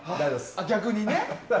ああ、逆にね。